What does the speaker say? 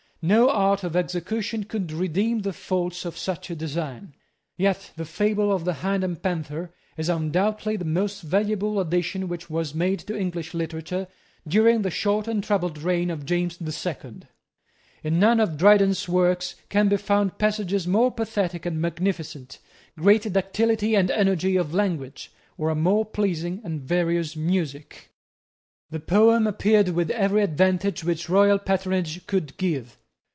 No art of execution could redeem the faults of such a design. Yet the Fable of the Hind and Panther is undoubtedly the most valuable addition which was made to English literature during the short and troubled reign of James the Second. In none of Dryden's works can be found passages more pathetic and magnificent, greater ductility and energy of language, or a more pleasing and various music. The poem appeared with every advantage which royal patronage could give.